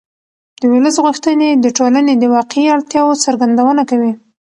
د ولس غوښتنې د ټولنې د واقعي اړتیاوو څرګندونه کوي